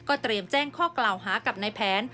เตรียมแจ้งข้อกล่าวหากับนายแผน